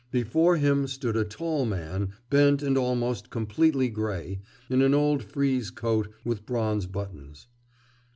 Before him stood a tall man, bent and almost completely grey, in an old frieze coat with bronze buttons.